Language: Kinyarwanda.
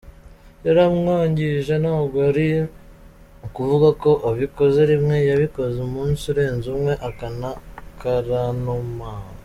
Yaramwangije ntabwo ari ukuvuga ko abikoze rimwe, yabikoze umunsi urenze umwe akana karanuma.